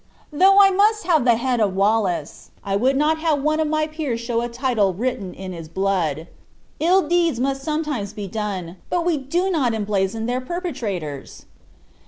Though I must have the head of Wallace, I would not have one of my peers show a title written in his blood. Ill deeds must sometimes be done; but we do not emblazon their perpetrators!"